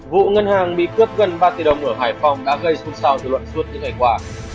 vụ ngân hàng bị cướp gần ba tỷ đồng ở hải phòng đã gây sụt sao dư luận suốt những ngày qua